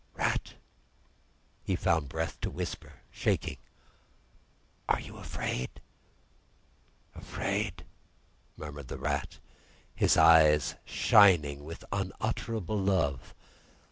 "Rat!" he found breath to whisper, shaking. "Are you afraid?" "Afraid?" murmured the Rat, his eyes shining with unutterable love.